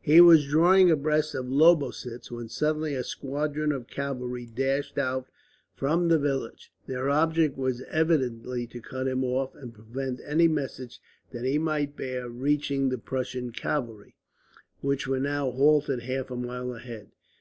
He was drawing abreast of Lobositz, when suddenly a squadron of cavalry dashed out from the village. Their object was evidently to cut him off, and prevent any message that he might bear reaching the Prussian cavalry, which were now halted half a mile ahead.